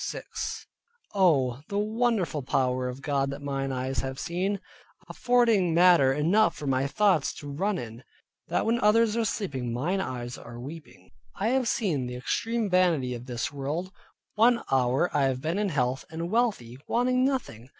Oh! the wonderful power of God that mine eyes have seen, affording matter enough for my thoughts to run in, that when others are sleeping mine eyes are weeping. I have seen the extreme vanity of this world: One hour I have been in health, and wealthy, wanting nothing.